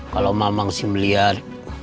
kalau memang sih melihat